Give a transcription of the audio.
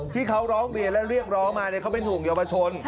ที่เขาร้องเรียนและเรียกร้องมาเขาเป็นห่วงเยาวชน